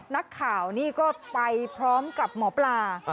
นักข่าวนี่ก็ไปพร้อมกับหมอปลา